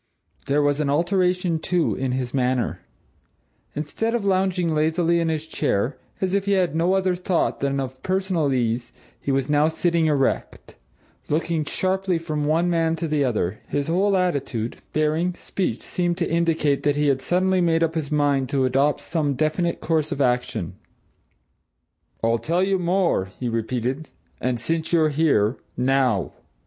There was an alteration, too, in his manner; instead of lounging lazily in his chair, as if he had no other thought than of personal ease, he was now sitting erect, looking sharply from one man to the other; his whole attitude, bearing, speech seemed to indicate that he had suddenly made up his mind to adopt some definite course of action. "I'll tell you more!" he repeated. "And, since you're here now!"